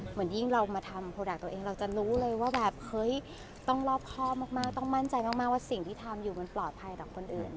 เหมือนยิ่งเรามาทำโปรดักต์ตัวเองเราจะรู้เลยว่าแบบเฮ้ยต้องรอบครอบมากต้องมั่นใจมากว่าสิ่งที่ทำอยู่มันปลอดภัยต่อคนอื่น